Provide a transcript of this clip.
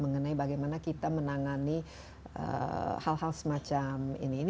mengenai bagaimana kita menangani hal hal semacam ini